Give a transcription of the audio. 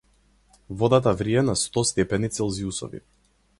Водата врие на сто степени целзиусови.